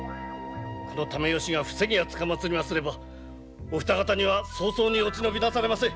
この爲義が防ぎ矢つかまつりますればお二方には早々に落ち延びなされませ。